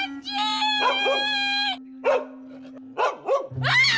nggak ada yang dengar kali ya